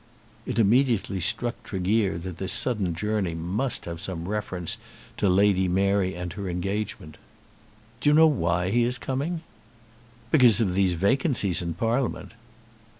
It immediately struck Tregear that this sudden journey must have some reference to Lady Mary and her engagement. "Do you know why he is coming?" "Because of these vacancies in Parliament."